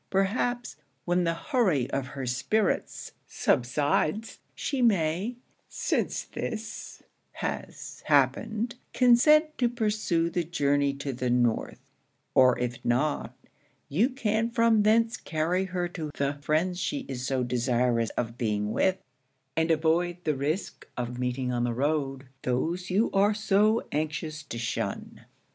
Perhaps, when the hurry of her spirits subsides, she may, since this has happened, consent to pursue the journey to the North; or if not, you can from thence carry her to the friends she is so desirous of being with, and avoid the risk of meeting on the road those you are so anxious to shun.'